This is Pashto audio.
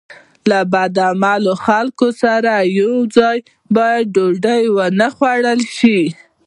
له بد عمله خلکو سره باید یوځای ډوډۍ ونه خوړل شي.